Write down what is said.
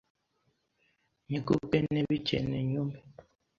nkegubwe nebi cyene nyume